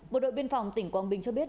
một đội biên phòng tỉnh quang bình cho biết